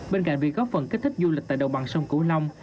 bên cạnh việc góp phần kích thích du lịch tại đồng bằng sông cửu long